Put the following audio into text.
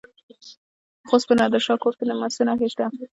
د خوست په نادر شاه کوټ کې د مسو نښې شته.